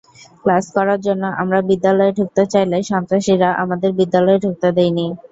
Class করার জন্য আমরা বিদ্যালয়ে ঢুকতে চাইলে সন্ত্রাসীরা আমাদের বিদ্যালয়ে ঢুকতে দেয়নি।